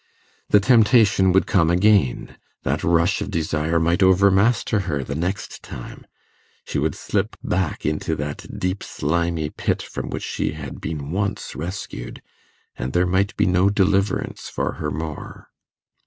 The temptation would come again that rush of desire might overmaster her the next time she would slip back again into that deep slimy pit from which she had been once rescued, and there might be no deliverance for her more.